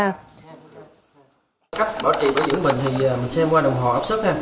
cách bảo trì bảo dưỡng bình thì mình xem qua đồng hồ áp sức